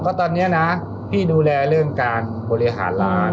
เพราะตอนนี้นะพี่ดูแลเรื่องการบริหารร้าน